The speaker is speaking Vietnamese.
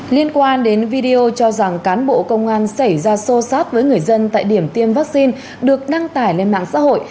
liên quan đến video cho rằng cán bộ công an xảy ra xô xát với người dân tại điểm tiêm vaccine được đăng tải lên mạng xã hội